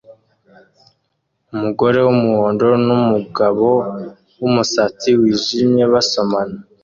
Umugore wumuhondo numugabo wumusatsi wijimye basomana